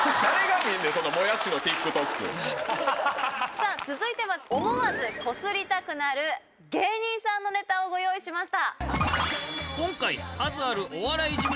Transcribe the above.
さぁ続いては思わずコスりたくなる芸人さんのネタをご用意しました。